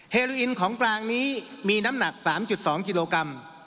เฮลูอินของกลางนี้มีน้ำหนัก๓๒กิโลกรัม